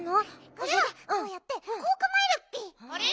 これはこうやってこうかまえるッピ。あれ？